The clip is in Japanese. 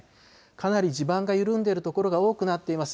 かなり地盤が緩んでいる所が多くなっています。